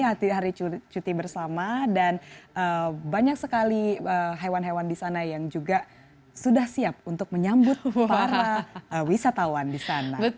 hari hari cuti bersama dan banyak sekali hewan hewan di sana yang juga sudah siap untuk menyambut para wisatawan di sana